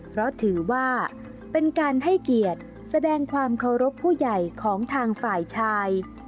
เพราะถือว่าเป็นการให้เกียรติแสดงความเคารพผู้ใหญ่ของทางฝ่ายชาย